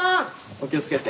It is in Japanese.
お気をつけて。